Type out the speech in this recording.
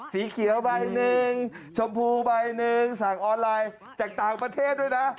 สีเขียวใบหนึ่งชมพูใบหนึ่งสั่งออนไลน์จากต่างประเทศด้วยนะ